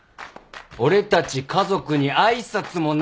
俺たち家族に挨拶もなしに？